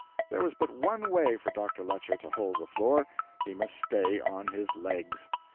There was but one way for Dr. Lecher to hold the floor he must stay on his legs.